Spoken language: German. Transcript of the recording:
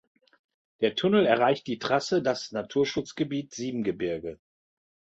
Der Tunnel erreicht die Trasse das Naturschutzgebiet Siebengebirge.